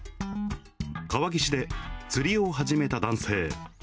川岸で釣りを始めた男性。